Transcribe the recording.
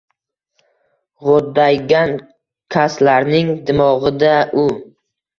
G’o’ddaygan kaslarning dimog’ida u –